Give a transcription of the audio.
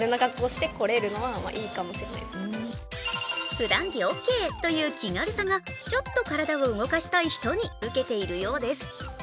ふだん着オーケーという気軽さがちょっと体を動かしたい人にウケているようです。